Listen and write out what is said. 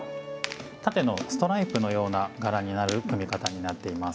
縦のストライプのような柄になる組み方になっています。